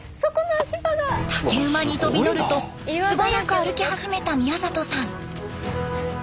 竹馬に飛び乗ると素早く歩き始めた宮里さん。